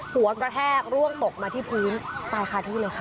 หัวกระแทกร่วงตกมาที่พื้นตายคาที่เลยค่ะ